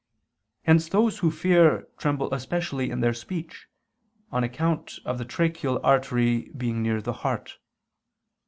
Hence those who fear tremble especially in their speech, on account of the tracheal artery being near the heart.